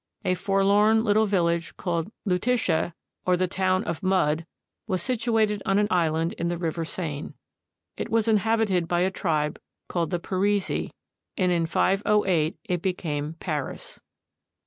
A forlorn Uttle village called Lutetia, or the town of mud, was situated on an island in the river Seine. It was inhabited by a tribe called the Parisii, and in 508 it became Paris.